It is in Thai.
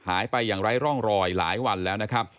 หายไปอย่างไร้ร่องรอยหลายวันแล้วนะครับ